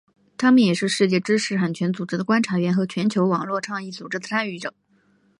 他们也是世界知识产权组织的观察员和全球网络倡议组织的参与者。